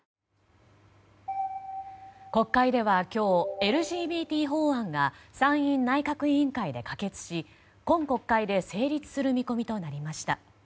国会では今日ＬＧＢＴ法案が参院内閣不信任案で可決し今国会で成立する見込みとなりました。